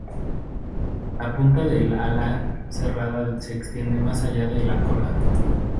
La punta del ala cerrada se extiende más allá de la cola.